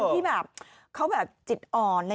เพราะว่าคนที่แบบคิดอ่อนอะไรอย่างนี้